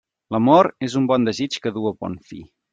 L'amor és un bon desig que du a bon fi.